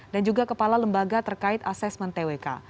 dan juga kepala lembaga terkait asesmen twk